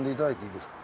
いいっすか？